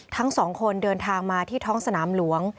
ทั้งสองคนเดินทางมาที่ท้องสนามหลวง